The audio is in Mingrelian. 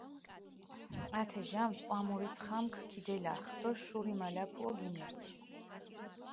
ათე ჟამსჷ ჸვამურიცხამქ ქიდელახჷ დო შურიმალაფუო გინირთჷ.